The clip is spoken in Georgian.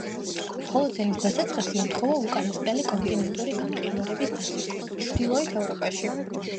ჰოლოცენის დასაწყისი ემთხვევა უკანასკნელი კონტინენტური გამყინვარების დასასრულს ჩრდილოეთ ევროპაში.